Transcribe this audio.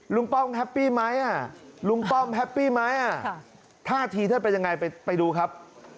รุ่งป้องแฮปปี้ไหมอะรุ่งความแฮปปี้ไหมอะไรกันไปแย่ครับถ้าที่จะมียังไงไปดูครับ